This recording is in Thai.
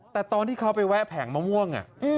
แต่ตอนที่เขาไปแวะแผงมะม่วง